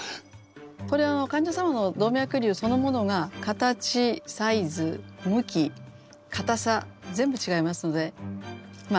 これは患者様の動脈瘤そのものが形サイズ向きかたさ全部違いますのでまあ